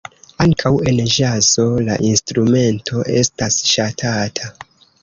Ankaŭ en ĵazo la instrumento estas ŝatata.